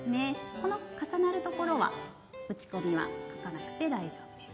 この重なる所は打ち込みは書かなくて大丈夫です。